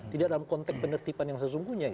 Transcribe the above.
tidak dalam konteks penertiban yang sesungguhnya